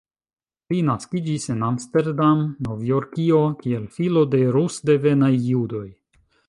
Li naskiĝis en Amsterdam, Novjorkio, kiel filo de rus-devenaj judoj.